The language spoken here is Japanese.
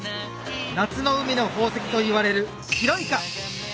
夏の海の宝石といわれる白イカ！